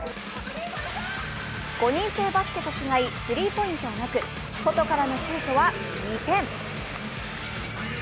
５人制バスケと違い、スリーポイントはなく外からのシュートは２点。